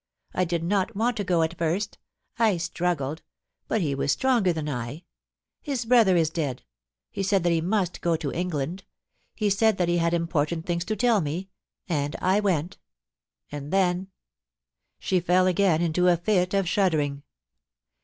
'I did not want to go at first — I struggled — but he was stronger than I. His brotherisdead ; he said that he must go to England. He said that he had important things to tell me. ... And I went ; and then ' She fell again into a fit of shuddering.